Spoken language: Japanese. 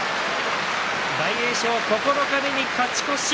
大栄翔、九日目に勝ち越し。